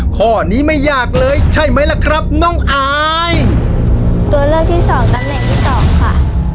ข้อนี้ไม่ยากเลยใช่ไหมล่ะครับน้องอายตัวเลือกที่สองตำแหน่งที่สองค่ะ